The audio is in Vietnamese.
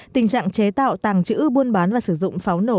tình trạng chế tạo tàng trữ buôn bán và sử dụng pháo nổ